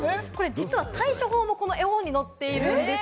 実は対処法もこの絵本に載っているんです。